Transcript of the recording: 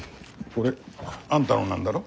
これあんたのなんだろ？